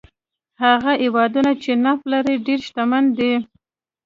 هغه هېوادونه چې نفت لري ډېر شتمن دي.